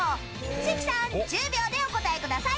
関さん１０秒でお答えください。